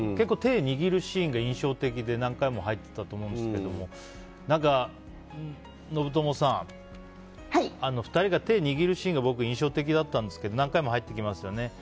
手を握るシーンが印象的で何回も入ってたと思うんですけど信友さん２人が手を握るシーンが僕、印象的だったんですけど何回も入ってきますよね。